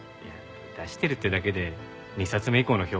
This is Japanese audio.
出してるってだけで２冊目以降の評判は散々ですから。